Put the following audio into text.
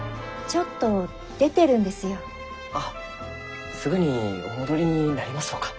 あっすぐにお戻りになりますろうか？